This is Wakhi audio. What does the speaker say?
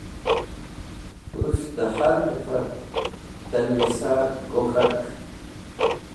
Tush dẽ har hẽfat tẽlwisa gok̃hak?